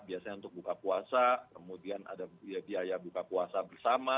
biasanya untuk buka puasa kemudian ada biaya buka puasa bersama